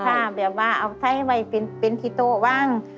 ค่ะแบบว่าเอาไส้ไว้เป็นที่โต้ว่าง